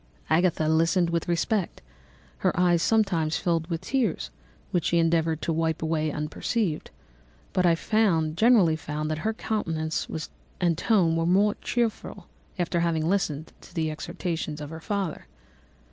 Agatha listened with respect, her eyes sometimes filled with tears, which she endeavoured to wipe away unperceived; but I generally found that her countenance and tone were more cheerful after having listened to the exhortations of her father.